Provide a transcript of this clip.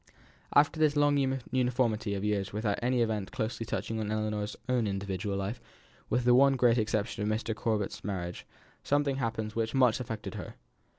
After this long uniformity of years without any event closely touching on Ellinor's own individual life, with the one great exception of Mr. Corbet's marriage, something happened which much affected her.